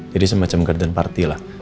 jadi semacam garden party lah